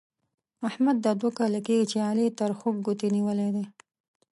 احمد دا دوه کاله کېږي چې علي تر خوږ ګوتې نيولې دی.